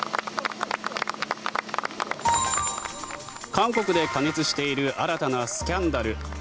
韓国で過熱している新たなスキャンダル。